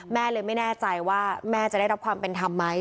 แม่เลยไม่แน่ใจว่าแม่จะได้รับความเป็นธรรมไหม